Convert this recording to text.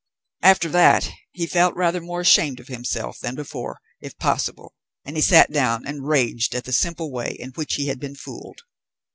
After that he felt rather more ashamed of himself than before, if possible, and he sat down and raged at the simple way in which he had been fooled.